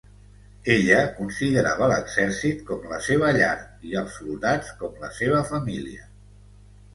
Ella considerava l'exèrcit com la seva llar i als soldats com la seva família.